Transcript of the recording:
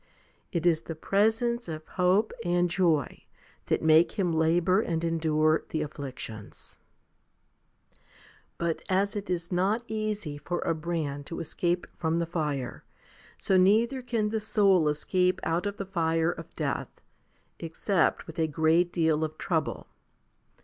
It is the presence of hope and joy that make him labour and endure the afflictions. HOMILY XXVI 191 12. But as it is not easy for a brand to escape from the fire, so neither can the soul escape out of the fire of death, except with a great deal of trouble.